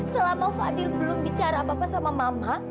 selama fadir belum bicara apa apa sama mama